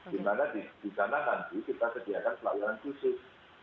di mana di sana nanti kita sediakan pelayanan khusus